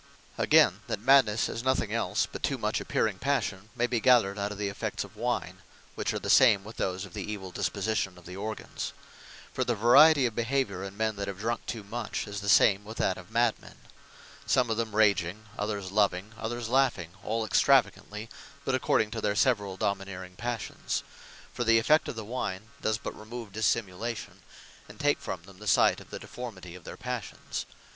Again, that Madnesse is nothing else, but too much appearing Passion, may be gathered out of the effects of Wine, which are the same with those of the evill disposition of the organs. For the variety of behaviour in men that have drunk too much, is the same with that of Mad men: some of them Raging, others Loving, others laughing, all extravagantly, but according to their severall domineering Passions: For the effect of the wine, does but remove Dissimulation; and take from them the sight of the deformity of their Passions.